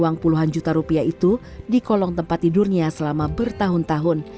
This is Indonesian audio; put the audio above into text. uang puluhan juta rupiah itu di kolong tempat tidurnya selama bertahun tahun